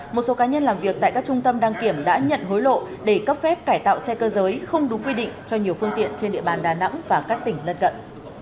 một số cá nhân làm việc tại các trung tâm đăng kiểm đã nhận hối lộ để cấp phép cải tạo xe cơ giới không đúng quy định cho nhiều phương tiện trên địa bàn đà nẵng và các tỉnh lân cận